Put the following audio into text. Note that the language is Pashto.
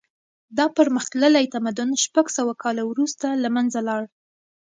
دا پرمختللی تمدن شپږ سوه کاله وروسته له منځه لاړ.